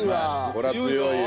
これは強いよ。